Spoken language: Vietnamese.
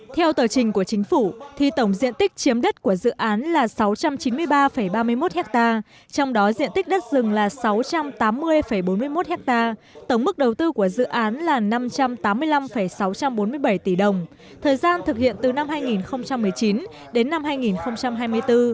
theo tờ trình của chính phủ thì tổng diện tích chiếm đất của dự án là sáu trăm chín mươi ba ba mươi một ha trong đó diện tích đất rừng là sáu trăm tám mươi bốn mươi một hectare tổng mức đầu tư của dự án là năm trăm tám mươi năm sáu trăm bốn mươi bảy tỷ đồng thời gian thực hiện từ năm hai nghìn một mươi chín đến năm hai nghìn hai mươi bốn